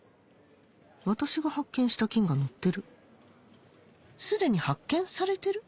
私が発見した菌が載ってるすでに発見されてる？